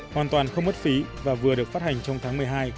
hoàn toàn không mất phí và vừa được phát hành trong tháng một mươi hai